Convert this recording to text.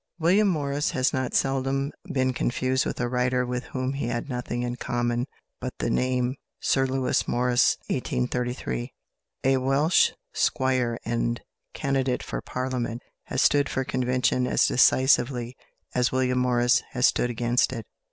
William Morris has not seldom been confused with a writer with whom he had nothing in common but the name. =Sir Lewis Morris (1833 )=, a Welsh squire, and candidate for Parliament, has stood for convention as decisively as William Morris has stood against it.